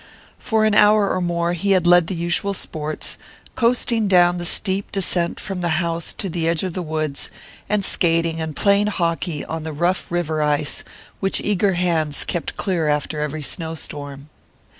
For an hour or more he had led the usual sports, coasting down the steep descent from the house to the edge of the woods, and skating and playing hockey on the rough river ice which eager hands kept clear after every snow storm.